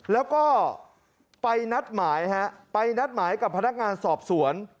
แล้วก็ไปนัดหมายกับพนักงานสอบสวน